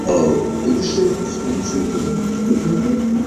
ঠাকুরের শয়ন বসন স্নানাহারের তিলমাত্র ত্রুটি হইতে পারিত না।